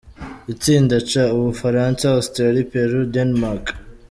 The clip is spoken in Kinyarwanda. Itsinda C: U Bufaransa, Australie, Peru, Danemark.